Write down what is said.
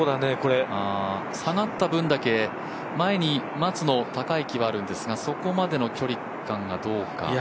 下がった分だけ、前に松の木があるんですが、そこまでの距離感がどうか。